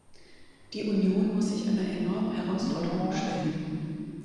Die Union muss sich einer enormen Herausforderung stellen.